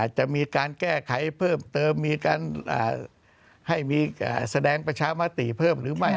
จะมีการแก้ไขเพิ่มเติมมีการให้มีแสดงประชามติเพิ่มหรือไม่